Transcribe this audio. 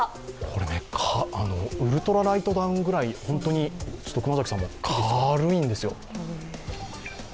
これ、ウルトラライトダウンぐらいに本当に軽いんですよ。